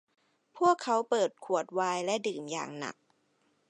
พวกเขาเปิดขวดไวน์และดื่มอย่างหนัก